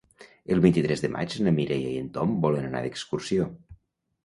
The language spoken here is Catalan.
El vint-i-tres de maig na Mireia i en Tom volen anar d'excursió.